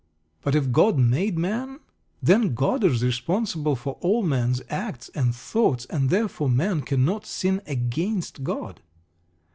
But if God made man, then God is responsible for all man's acts and thoughts, and therefore man cannot sin against God.